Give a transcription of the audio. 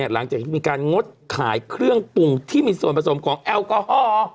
หลังจากที่มีการงดขายเครื่องปรุงที่มีส่วนผสมของแอลกอฮอล์